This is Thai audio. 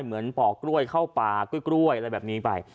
เหมือนปอกกล้วยเข้าปากล้วยกล้วยอะไรแบบนี้ไป